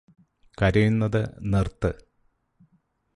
കരയുന്നത് നിർത്ത്